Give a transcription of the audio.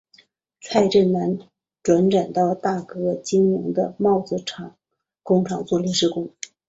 蔡振南辗转到大哥经营的帽子工厂做临时工。